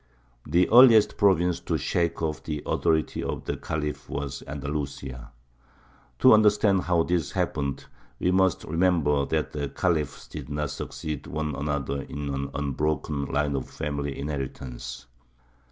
The earliest province to shake off the authority of the Khalif was Andalusia. To understand how this happened, we must remember that the Khalifs did not succeed one another in one unbroken line of family inheritance.